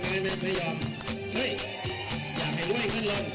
ครับท่าน